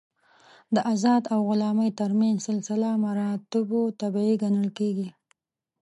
د آزاد او غلام تر منځ سلسله مراتبو طبیعي ګڼل کېږي.